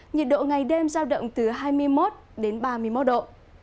nhiệt độ ngày đêm giao động từ hai mươi một đến ba mươi một độ